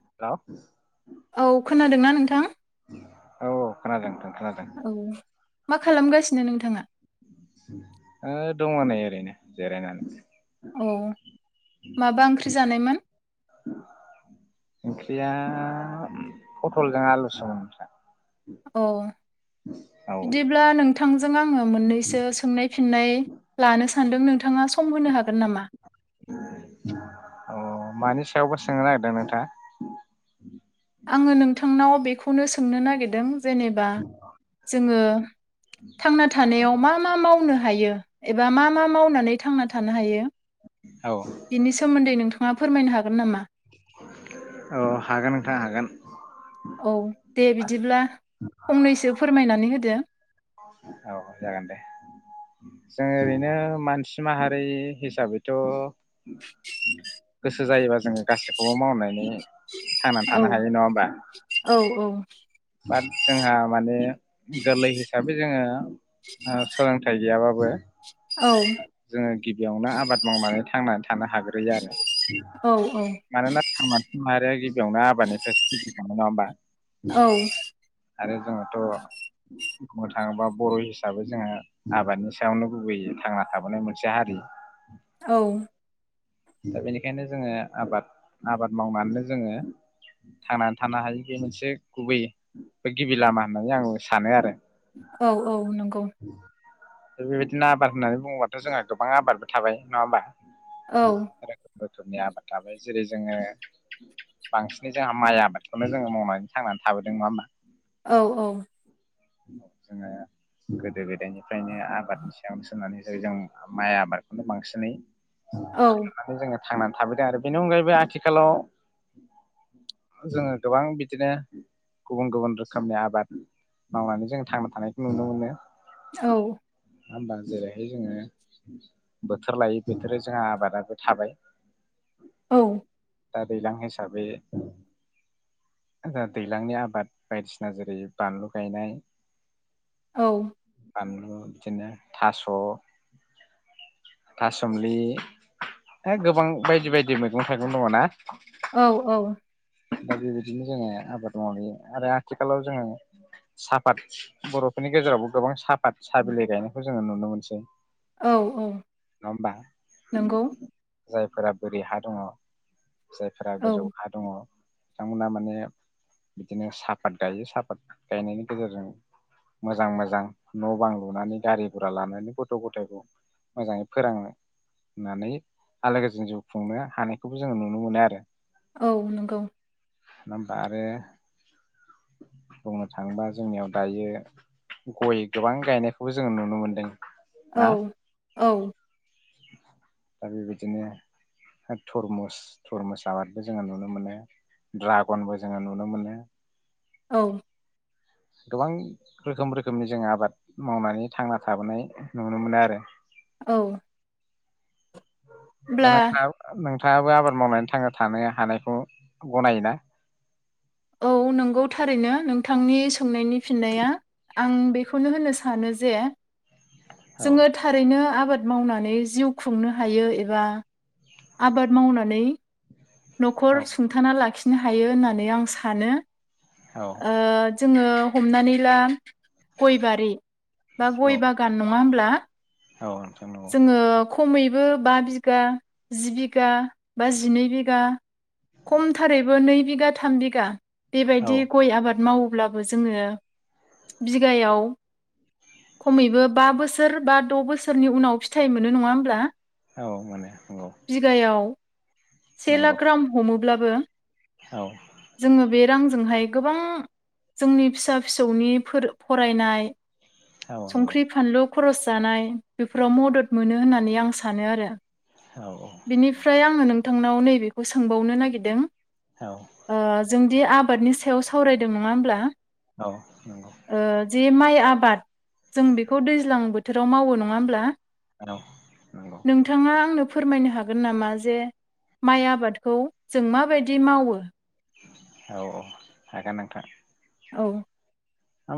Hello औ खोनादोंना नोंथां? औ खोनादों नोंथां खोनादों औ मा खालामगासिनो नोंथाङा? ओ दङ नै ओरैनो जिरायनानै। औ माबा ओंख्रि जानायमोन? ओंख्रिया पथलजों आलुसोमोन नोंथां। अ औ बिदिब्ला नों थांजों आङो मोननैसो सोंनाय फिननाय लानो सानदों नोंथाङा सम होनो हागोन नामा? अ मानि सायावबो सोंनो नागिरदों नोंथाङा आङो नोंथांनाव बे खौनो सोंनो नागिरदों जेनेबा जोङो थांना थानायाव मा मा मावनो हायो एबा मा मा मावनानै थांना थानो हायो? औ बिनि सोमोनदै नोंथां ङा फोरमायनो हागोन नामा? औ हागोन नोंथां हागोन। औ दे बिदिब्ला फंनैसो फोरमायनानै हो दो। औ जागोन दे जों ओरैनो मानसि माहारि हिसाबैथ' गोसो जायोबा जोङो गासिबखौबो मावनानै थांनानै औ थानो हायो नङा होमबा। औ औ बाट जोंहा माने गोरलै हिसाबै जोङो आ सोलों थाइ गैयाबाबो औ जोङो गिबियावनो आबाद मावनानै थांना थानो हाग्रोयो आरो। औ औ मानोना थांना थानाय नो गिबियावनो आबादनिफ्रायसो फैगोरदों नङा होमबा औ आरो जोङोथ' बुंनो थाङोबा बर' हिसाबै जोङो आबादनि सायावनो गुबैयै थांना थाबोनाय मोनसे हारि। औ दा बेनिखायनो जोङो आबाद आबाद मावनानैनो जोङो थांनानै थानो हायि बे मोनसे गुबै बे गिबि लामा होननानै आं सानो आरो। औ औ नंगौ। बेबायदिनो आबाद होननानै बुङोबाथ' जोंहा गोबां आबादबो थाबाय नङा होमबा? औ बोथोरनि आबाद थाबाय जेरै जोङो बांसिनै जोंहा माइ आबादखौनो जोङो मावनानै थांनानै थाबोदों नङा होमबा? औ औ जोंहा गोदो गोदायनि बेफ्रायनो आबादनि सायावनो सोनानै जों माइ आबादखौनो बांसिनै औ [unintelligible] जोंङो थांनानै थाबोदों आरो बेनि अनगायैबो आथिखालाव जोङो गोबां बिदिनो गुबुन गुबुन रोखोमनि आबाद मावनानै जों थांना थानायखौ नुनो मोनो। औ होबा जेरैहाय जोङो बोथोर लायै बोथोर जोंहा आबादाबो थाबाय औ दा दैलां हिसाबै दा दैज्लांनि आब आबाद बायदिसिना जेरै बानलु गायनाय औ बानलु बिदिनो थास' थासुमलि गोबां बायदि बायदि मैगं थाइगं दङ ना? औ औ दा बेबायदिनो जोङो आबाद मावयो आरो आथिखालाव जोङो साहाफात बर'फोरनि गेजेरावबो गोबां साहाफात साहा बिलाइ गायनायखौ जोङो नुनो मोनसै। औ औ नंआ होनबा? नंगौ जायफोरा बोरि हा दङ जायफोरा औ गोजौ हा दङ बिथांमोना माने बिदिनो साफात गायो साफात गायनायनि गेजेरजों मोजां मोजां न' बां लुनानै गारि गुरा लानानै गथ' गथायखौ मोजाङै फोरोंनो होननानै आलो गोजोन जिउ खुंनो हानायखौबो जोङो नुनो मोनो आरो। औ नंगौ। नङा होनबा आरो बुंनो थाङोबा जोंनियाव दायो गय गोबां गायनायखौबो जोङो नुनो मोनदों। ना औ औ दा बेबायदिनो थरमुस थरमुस आबादबो जोङो नुनो मोनो ड्रागनबो जोङो नुनो मोनो। औ गोबां रोखोम रोखोमनि जों आबाद मावनानै थांना थाबोनाय नुनो मोनो आरो। औ हो नोंनाव नों थांआबो आबाद मावनानै थांना थानो हानायखौ गनायोना? औ नंगौ थारैनो नोंथांनि सोंनायनि फिन्नाया आं बेखौनो होनो सानो जे औ जोङो थारैनो आबाद मावनानै जिउ खुंनो हायो एबा आबाद मावनानै औ न'खर सुंथाना लाखि नो हायो होननानै आं सानो। औ ओ जोङो हमनानै ला गयबारि बा औ गय बागान नं ङा होमब्ला? औ नोंथां नंगौ। जोङो खमैबो बा बिगा जि बिगा बा जिनै बिगा खमथारैबो नै बिगा थाम बिगा औ बेबायदि गय आबाद माव ब्लाबो जोङो बिगायाव खमैबो बा बोसोर बा द बोसोर नि उनाव फिथाइ मोनो नङा होमब्ला? औ मोनो औ। बिगायाव से लाख ग्राम हमो ब्लाबो औ जोङो बे रांजोंहाय गोबां जोंनि फिसा फिसौनि फोर फरायनाय औ नंगौ संख्रि फानलु खरस जानाय। बेफोराव मदद मोनो होननानै आं सानो। आरो औ औ। थांनाव नैबेखौ सोंबावनो नागिरदों। औ ओ जोंदि आब बादनि सायाव सावरायदों नङा होमब्ला? औ नंगौ। ओ जे माइ आबाद जों बेखौ दैज्लां बोथोराव मावो न नङा होमब्ला? हेल' नंगौ। नोंथाङा आंनो फोरमायनो हागोन नामा जे माइ आबादखौ जों माबायदि मावो औ औ हागोन नोंथां औ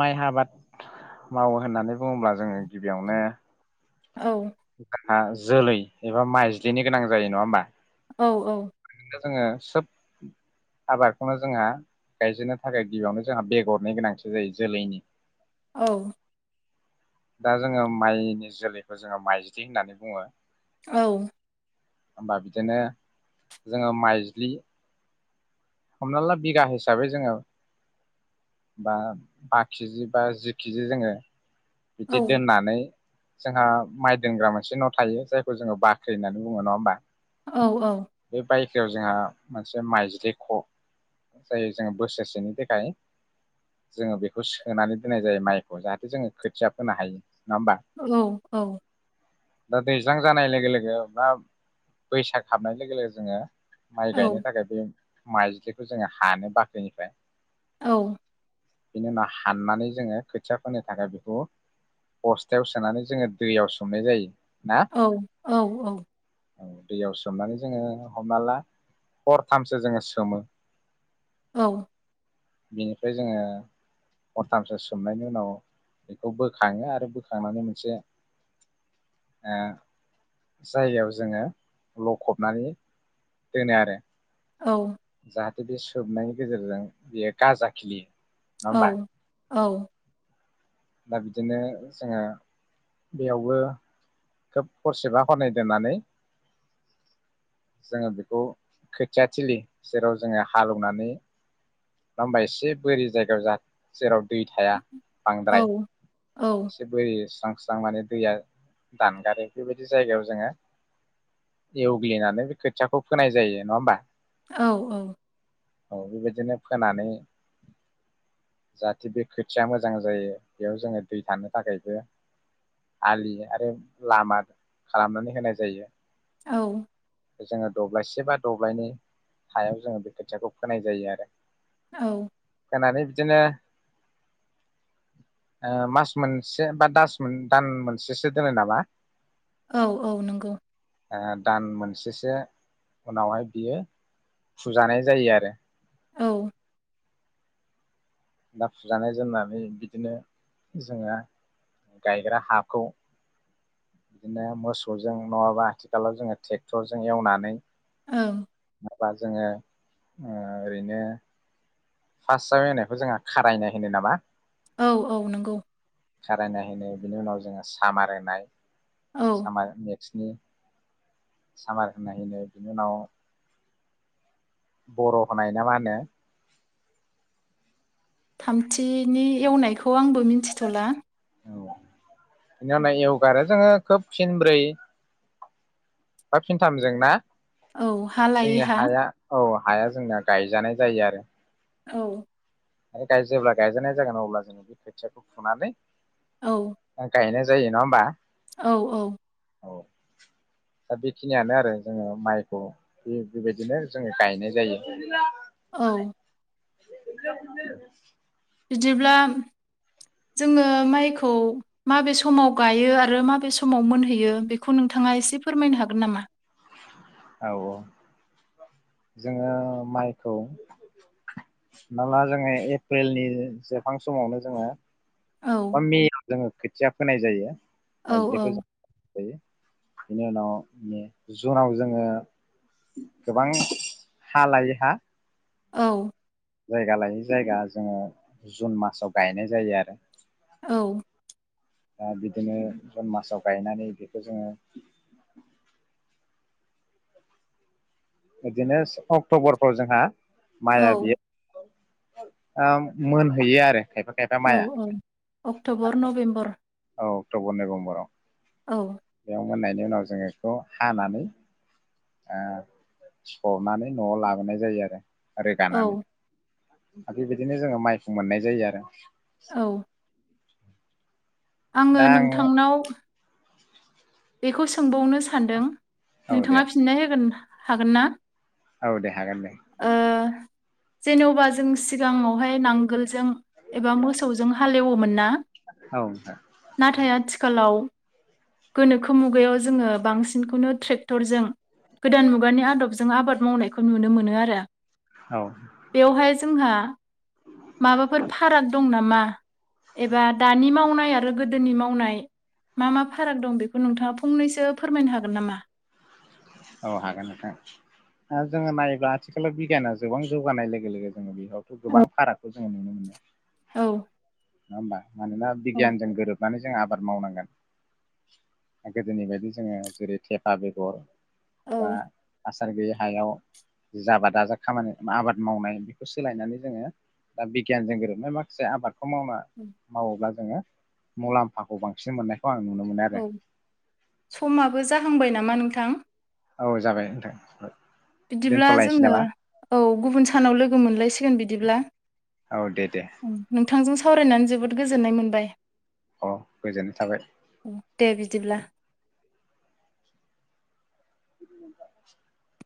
माइ आबाद मावो होननानै बुङोब्ला जोङो गिबियावनो औ हा जोलै एबा माइज्लिनि गोनां जायो नङा होमबा? औ औ दा जोङो सोब आबादखौनो जोंहा गायजेननो थाखाय गिबियावनो जोंहा बेगरनि गोनांथि जायो जोलैनि। औ दा जोङो माइनि जोलैखौ जोङो माइजलि होननानै बुङो। औ होमबा बिदिनो जोङो माइज्लि हमना ला बिगा हिसाबै जोङो बा बा केजि बा जि केजि जोङो औ बिदि दोननानै जोंहा माइ दोनग्रा मोनसे न' थायो जायखौ जोङो बाख्रि होननानै बुङो नङा होमबा? औ औ खिआव जोंहा मोनसे माइज्लिख' जायो जोङो बोसोरसेनि थाखाय जोङो बेखौ सोनानै दोननाय जायो माइखौ जाहाथे जोङो खोथिया फोनो हायो। नङा होमबा औ औ दा दैज्लां जानाय लोगो लोगो बा बैसाग हाबनाय लोगो लोगो जोङो माय औ गायनो थाखायबो माइजलिखौ जोङो हानो बाख्रिनिफ्राय औ बिनि उनाव हाननानै जोङो खोथिया फोनो थाखाय ब'-बस्थायाव सोनानै जोङो दैयाव सोमनाय जायो। ना औ औ औ दैयाव सोमनानै जोङो हमना ला हरथामसो जोङो सोमो। औ बेनिफ्राय जोङो हरथामसो सोमनायनि उनाव बेखौ बोखाङो आरो बोखांनानै मोनसे ओ जायगायाव जोङो लखबनानै दोनो आरो। औ बे बे सोबनायनि गेजेरजों बेयो गाजा खिलियो। नङा औ होमबा औ दा बिदिनो जोङो बेयावबो खोब हरसेबा हरनै दोननानै जोङो बेखौ खोथियाथिलि जेराव जोङो हालेवनानै नङा होमबा एसे बोरि जायगायाव जा जेराव दै थाया। बांद्राय एसे बोरै स्रां स्रां माने दैया दानगारो बेबायदि जायगायाव जोङो एवग्लिनानै बे खोथियाखौ फोनाय जायो नङा होमबा? औ औ औ बे बायदिनो। फोनानै जाहाथे बे खोथिया मोजां जायो बेयाव जोङो दै थानो थाखायबो आलि आरो लामा खालामनानै होनाय जायो। औ जोङो दब्लायसे बा दब्लायनै हायाव जोङो बे खोथियाखौ फोनाय जायो आरो। औ होनानै बिदिनो मास मोनसे बा दान मोनसेसो दोनो नामा औ औ नंगौ दान मोनसेसो उनावहाय बियो फुजानाय जायो आरो औ ना फुजानाय जोमनानै बिदिनो जोङो गायग्रा हाखौ बिदिनो मोसौजों नङाबा आथिखालाव जोङो ट्रेक्टरजों एवनानै औ माबा जोङो ओरैनो फार्स्टआव एवनायखौ जोंङो खारायनाय होनो नामा? औ औ नंगौ खारायनायहोनो बिनि उनाव जोङो सामार होननाय औ सामार स्नि सामार होनाय बिनि उनाव बर' होननाय ना मा होनो थामथिनि एवनायखौ आंबो मिथिथ'ला औ बिनि उनाव एवगारो जोङो खोब फिनब्रै बा फिनथामजों ना औ हा लायै जोंनि हा हाया औ हाया जोंना गायजानाय जायो आरो औ जेब्ला गायजानाय जागोन अब्ला जोङो बे खोथियाखौ फुनानै औ आ गायनाय जा जायो नङा होमबा औ औ औ दा बेखिनियानो आरो जोङो माइखौ बेबायदिनो जोङो गायनाय जायो औ [inaudible] [unintelligible] बिदिब्ला जोङो माइखौ माबे समाव गायो आरो माबे समाव मोनहैयो बेखौ नोंथाङा एसे फोरमायनो हागोन नामा औ औ जोङो माइखौ नङाब्ला जोङो एप्रिलनि जोबहां समावनो जोङो औ बा मेयाव जोङो खोथिया फोनाय जायो औ औ माइज्लिखौ जों बेनि उनाव जुनाव जोङो गोबां हा लायै हा औ जायगा लायै जायगा जोङो जुन मासाव गायनाय जायो आरो औ दा बिदिनो जुन मासाव गायनानै बेखौ जोङो बिदिनो अक्ट'बरफ्राव जोंहा औ माया बेयो मोनहैयो आरो खायफा खायफा औ माइया औ अक्ट'बर नभेम्बर औ अक्ट'बर नभेम्बराव औ बेयाव मोननायनि उनाव जोङो बेखौ हानानै ओ सरनानै न'आव लाबोनाय जायो आरो रोगानानै औ बि बादिनो जोङो माइखौ मोननाय जायो आरो। औ। आङो नोंथांनाव बेखौ सोंबावनो सानदों। औ दे नोंथाङा फिननाय होगोन। हागोनना? औ दे हागोन दे। जेन'बा जों सिगाङाव हाय नांगोलजों एबा मोसौ जों हाल एवोमोनना। औ नोंथां नाथाय आथिखालाव गोनोखो मुगायाव जोङो बांसिनखौनो ट्रेक्टरजों गोदान मुगानि आदबजों आबाद मावनायखौ नुनो मोनो आरो। औ बेवहाय जोंहां एबा दानि मावनाय आरो गोदोनि मावनाय मा मा फाराग दं बेखौ नोंथाङा फंनैसो फोरमायनो हागोन नामा? औ हागोन नोंथां ओ जोङो नायोब्ला आथिखालाव बिगियाना गोबां जौगानाय लोगो लोगो जोङो बे यावथ' गोबां फारागखौ औ नुनो मोनो। औ। [unintelligible] मानोना औ बिगियानजों गोरोबनानै जों आबाद मावनांगोन गोदोनि बायदि जोङो जेरै थेफा बेगर बा औ आस हासार गैयै हायाव जा आबादाजा खामानि आबाद मावनाय बेखौ सोलायनानै जोङो दा बिगियानजों गोरोबनाय माखासे आबाद खौ मावना मावोब्ला जोङो मुलाम्फाखौ बांसिन मोननाय औ समाबो जाहांबाय नामा नों थां। औ जाबाय नोंथां। बिदिब्ला दोनथ'लायनोसै जोङो नामा औ गुबुन सानाव लोगो मोनलायसिगोन बिद दिब्ला। औ दे दे नोंथांजों सा सावरायनानै जोबोद गोजोननाय मोनबाय। औ गोजोननाय थाबाय दे बिदिब्ला। [unintelligible]